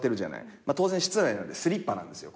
当然室内なんでスリッパなんですよ